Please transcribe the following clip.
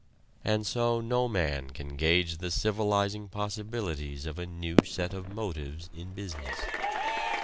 And so no man can gauge the civilizing possibilities of a new set of motives in business.